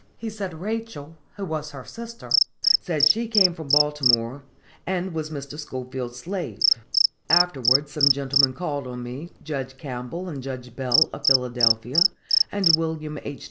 He said Rachel [her sister] said she came from Baltimore and was Mr. Schoolfield's slave. Afterwards some gentlemen called on me [Judge Campbell and Judge Bell, of Philadelphia, and William H.